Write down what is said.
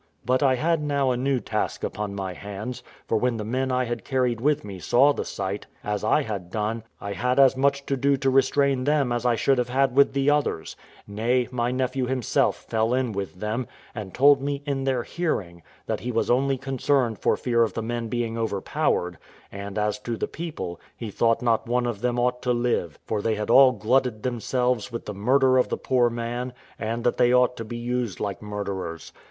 But I had now a new task upon my hands; for when the men I had carried with me saw the sight, as I had done, I had as much to do to restrain them as I should have had with the others; nay, my nephew himself fell in with them, and told me, in their hearing, that he was only concerned for fear of the men being overpowered; and as to the people, he thought not one of them ought to live; for they had all glutted themselves with the murder of the poor man, and that they ought to be used like murderers.